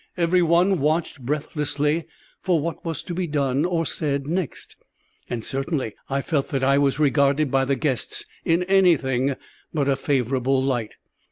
Every one watched breathlessly for what was to be done or said next, and certainly I felt that I was regarded by the guests in anything but a favourable light.